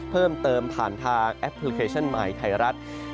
เพิ่มเติมผ่านทางแอปพลิเคชันใหม่ไทยรัฐ